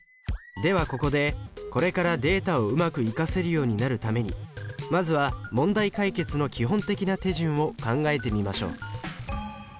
ではここでこれからデータをうまく生かせるようになるためにまずは問題解決の基本的な手順を考えてみましょう。